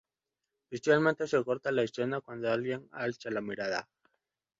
Usualmente se corta la escena cuando alguien alza la mirada.